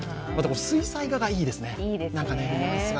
水彩画がいいですね。